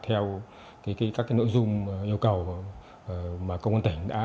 theo các nội dung yêu cầu